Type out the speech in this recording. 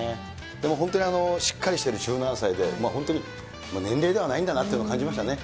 でも本当にしっかりしてる１７歳で、本当に年齢ではないんだなというのを感じましたね。